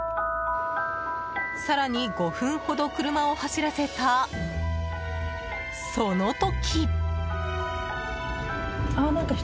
更に５分ほど車を走らせたその時。